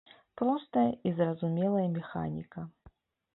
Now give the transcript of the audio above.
Простая і зразумелая механіка.